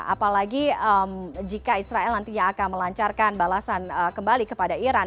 apalagi jika israel nantinya akan melancarkan balasan kembali kepada iran